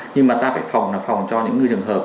nhưng mà ta phải phòng là phòng cho những trường hợp